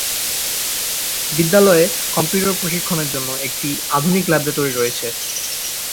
বিদ্যালয়ে কম্পিউটার প্রশিক্ষণের জন্য একটি আধুনিক ল্যাবরেটরি রয়েছে।